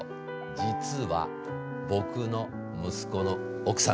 実は僕の息子の奥さんなんです！